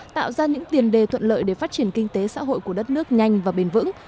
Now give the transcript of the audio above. tạo ra những tiền đề thuận lợi để phát triển kinh tế xã hội của đất nước nhanh và bền vững